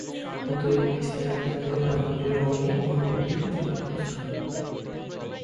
অতএব এই স্নায়ুকেন্দ্র বা ইন্দ্রিয়গণই অনুভূতির যথার্থ স্থান।